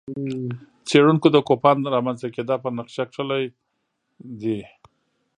څېړونکو د کوپان رامنځته کېدا پر نقشه کښلي دي.